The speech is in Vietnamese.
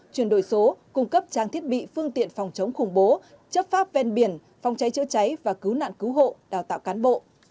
chuyển đổi số cung cấp trang thiết bị phương tiện phòng chống khủng bố chấp pháp ven biển phòng cháy chữa cháy và cứu nạn cứu hộ đào tạo cán bộ